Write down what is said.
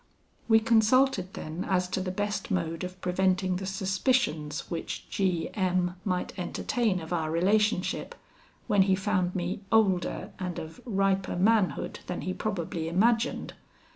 We consulted then as to the best mode of preventing the suspicions which G M might entertain of our relationship, when he found me older and of riper manhood than he probably imagined.